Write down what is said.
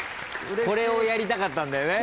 これをやりたかったんだよね？